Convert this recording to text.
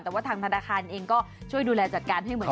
แต่ว่าทางธนาคารเองก็ช่วยดูแลจัดการให้เหมือนกัน